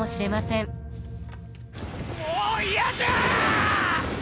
もう嫌じゃあ！